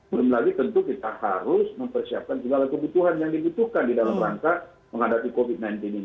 belum lagi tentu kita harus mempersiapkan segala kebutuhan yang dibutuhkan di dalam rangka menghadapi covid sembilan belas ini